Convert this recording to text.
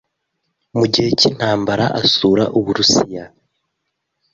mu gihe cy'intambara asura Uburusiya